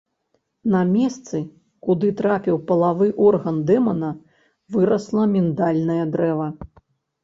На месцы, куды трапіў палавы орган дэмана вырасла міндальнае дрэва.